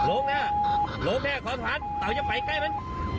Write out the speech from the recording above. ลุงแม่ก่อนผ่านตัวจะไปใกล้มัน